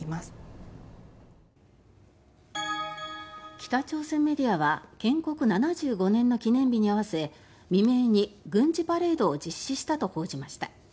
北朝鮮メディアは建国７５年の記念日に合わせ未明に軍事パレードを実施したと報じました。